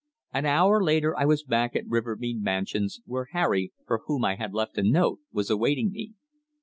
An hour later I was back at Rivermead Mansions, where Harry, for whom I had left a note, was awaiting me.